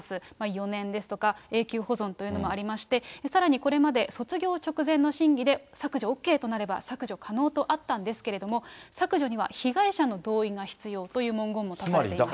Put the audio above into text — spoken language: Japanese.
４年ですとか永久保存というのもありまして、さらにこれまで卒業直前の審議で削除ＯＫとなれば削除可能とあったんですけれども、削除には被害者の同意が必要という文言も足されています。